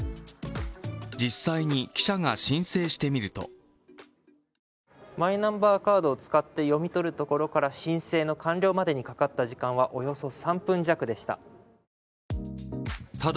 実際に記者が申請してみるとマイナンバーカードを使って読み取るところから申請の完了までにかかった時間は、およそ３分弱でした。